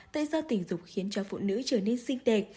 tại sao tình dục khiến cho phụ nữ trở nên xinh đẹp